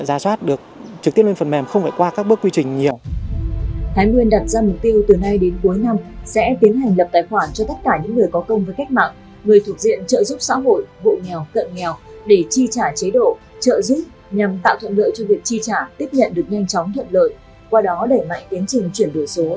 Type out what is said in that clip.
tiếp nhận được nhanh chóng thuận lợi qua đó đẩy mạnh tiến trình chuyển đổi số tại tỉnh thái nguyên